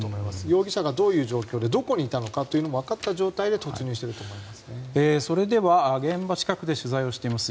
容疑者がどういう状況でどこにいたのかも分かった状態でそれでは現場近くで取材をしています